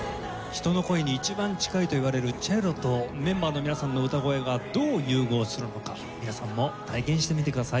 人の声に一番近いといわれるチェロとメンバーの皆さんの歌声がどう融合するのか皆さんも体験してみてください。